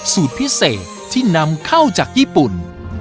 สูตรพิเศษที่นำเข้าจากญี่ปุ่น